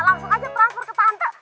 langsung aja transfer ke tante